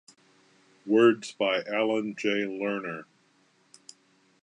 Words by Alan Jay Lerner.